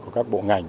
của các bộ ngành